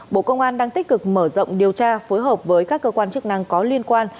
bộ công an đang tích cực mở rộng điều tra phối hợp với các cơ quan chức năng có liên quan